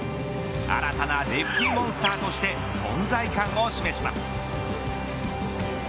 新たなレフティモンスターとして存在感を示します。